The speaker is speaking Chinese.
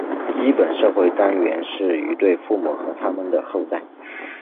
基本社会单元是一对父母和它们的后代。